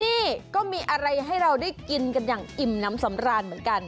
นี่ก็มีอะไรให้เราได้กินกันอย่างอิ่มน้ำสำราญเหมือนกัน